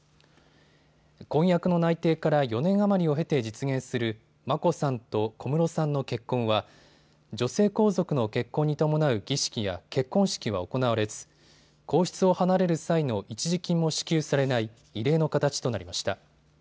婚約の内定から４年余りを経て実現する眞子さんと小室さんの結婚は女性皇族の結婚に伴う儀式や結婚式は行われず皇室を離れる際の一時金も支給されない異例の形となりました。